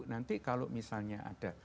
nanti kalau misalnya ada